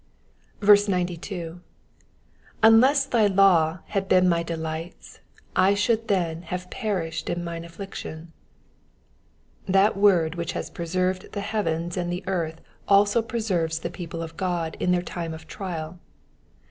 92. ^^Unlest thy law had been my delights, I should thenhafse perilled m mine affliction,^'' That word which has preserved the heavens and the ear^ also preserves the people of God in their time of trial.